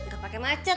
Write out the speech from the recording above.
gak pakai macet